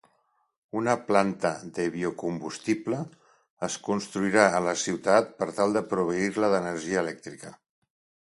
Una planta de biocombustible es construirà a la ciutat per tal de proveir-la d'energia elèctrica.